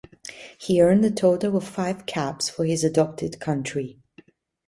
He earned a total of five caps for his adopted country.